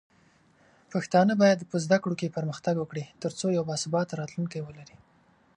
پښتانه بايد په زده کړو کې پرمختګ وکړي، ترڅو یو باثباته راتلونکی ولري.